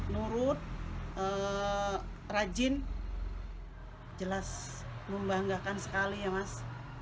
nurut rajin jelas membanggakan sekali ya mas